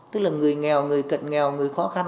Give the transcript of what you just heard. tức là người nghèo người cận nghèo người khó khăn